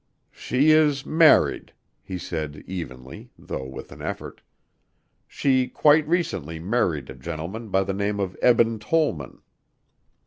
"She is married," he said evenly, though with an effort. "She quite recently married a gentleman by the name of Eben Tollman."